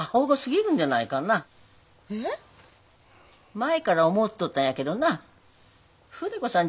前から思っとったんやけどな筆子さん